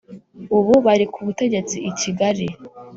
ubu bari ku butegetsi i kigali.